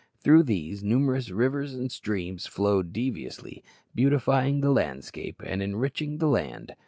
Through these, numerous rivers and streams flowed deviously, beautifying the landscape and enriching the land.